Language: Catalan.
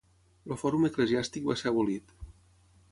El fòrum eclesiàstic va ser abolit.